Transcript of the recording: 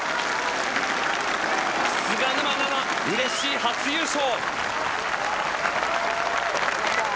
菅沼菜々、うれしい初優勝。